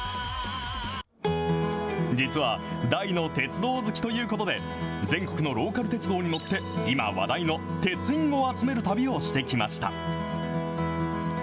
実は大の鉄道好きということで、全国のローカル鉄道に乗って今話題の鉄印を集める旅をしてきました。